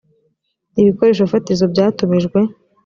ibikoresho fatizo byatumijwe